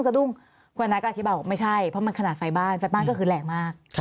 คุณนักอธิบายว่าไม่ใช่เพราะมันขนาดไฟบ้านไฟบ้านก็คือแหลกมาก